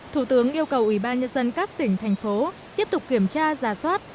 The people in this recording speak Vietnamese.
thủ tướng yêu cầu ủy ban nhân dân các tỉnh thành phố tiếp tục kiểm tra giả soát